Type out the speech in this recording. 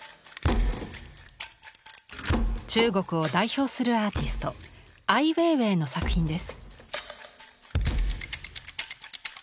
中国を代表するアーティストアイ・ウェイウェイの作品です。